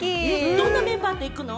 どんなメンバーと行くの？